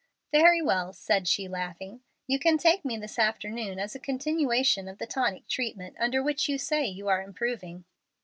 "Very well," said she, laughing. "You shall take me this afternoon as a continuation of the tonic treatment under which you say you are improving."